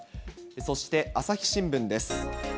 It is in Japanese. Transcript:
そして朝日新聞です。